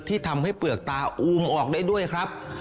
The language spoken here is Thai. ที่ทำให้เปลือกตาอูมออกได้ด้วยครับ